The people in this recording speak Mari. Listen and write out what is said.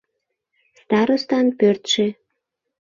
Старостан пӧртшӧ.